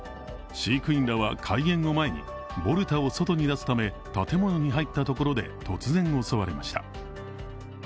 飼育員らは開園を前にボルタを外に出すため建物に入ったところで突然、襲われました。